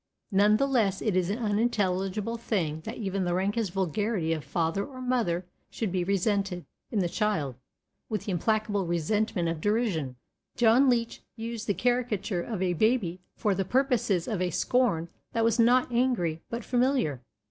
None the less it is an unintelligible thing that even the rankest vulgarity of father or mother should be resented, in the child, with the implacable resentment of derision. John Leech used the caricature of a baby for the purposes of a scorn that was not angry, but familiar.